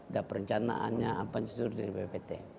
dan perencanaannya apa yang disuruh dari bpbt